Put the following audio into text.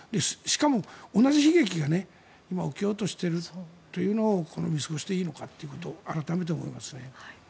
しかも、同じ悲劇が今、起きようとしているというのをこういうふうに見過ごしていいのかと改めて思いますね。